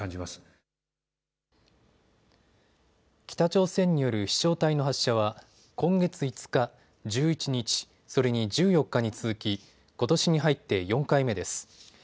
北朝鮮による飛しょう体の発射は今月５日、１１日、それに１４日に続きことしに入って４回目です。